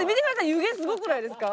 湯気すごくないですか？